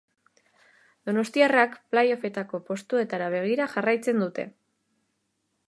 Donostiarrak play offetako postuetara begira jarraitzen dute.